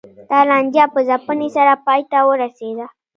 دا لانجه په ځپنې سره پای ته ورسېده